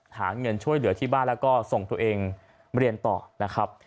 หาเงินช่วยเหลือที่บ้านแล้วก็ส่งตัวเองเรียนต่อนะครับ